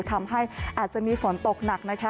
ทำให้อาจจะมีฝนตกหนัก